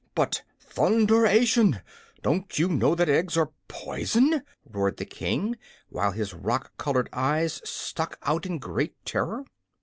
"But thunder ation! Don't you know that eggs are poison?" roared the King, while his rock colored eyes stuck out in great terror.